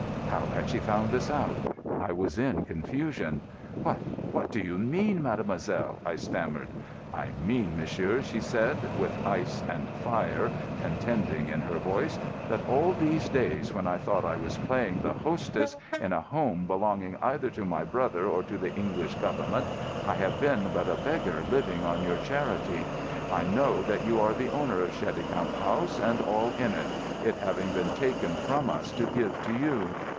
How had she found this out? I was in confusion. "What—what do you mean, mademoiselle?" I stammered. "I mean, monsieur," she said, with ice and fire contending in her voice, "that all these days, when I thought I was playing the hostess, in a home belonging either to my brother or to the English Government, I have been but a beggar living on your charity. I know that you are the owner of Cheticamp House and all in it, it having been taken from us to give to you."